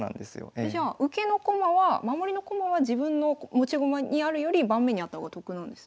えじゃあ受けの駒は守りの駒は自分の持ち駒にあるより盤面にあった方が得なんですね。